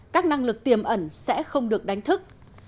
các năng lực tiềm ẩn sẽ không được đánh thức